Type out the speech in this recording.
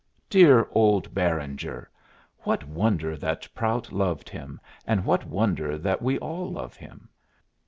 Dear old Beranger! what wonder that Prout loved him, and what wonder that we all love him?